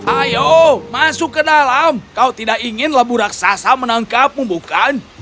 ayo masuk ke dalam kau tidak ingin labu raksasa menangkapmu bukan